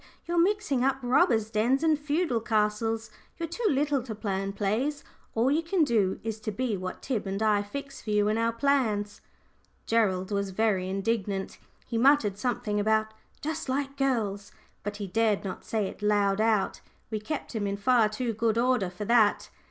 "You're mixing up robbers' dens and feudal castles. You're too little to plan plays. All you can do is to be what Tib and I fix for you in our plans." Gerald was very indignant. He muttered something about "just like girls," but he dared not say it loud out; we kept him in far too good order for that.